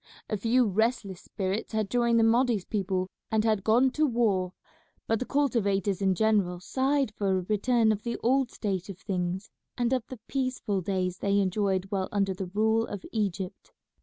A few restless spirits had joined the Mahdi's people and had gone to the war; but the cultivators in general sighed for a return of the old state of things, and of the peaceful days they enjoyed while under the rule of Egypt.